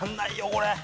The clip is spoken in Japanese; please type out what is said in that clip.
これ。